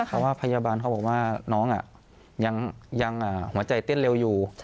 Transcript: เพราะว่าพยาบาลเขาบอกว่าน้องยังหัวใจเต้นเร็วอยู่